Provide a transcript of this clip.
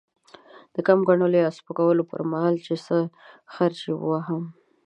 د کم ګڼلو يا سپکولو پر مهال؛ چې څه خرج يې وواهه.